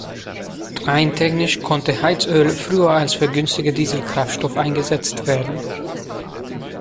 Rein technisch konnte Heizöl früher als vergünstigter Dieselkraftstoff eingesetzt werden.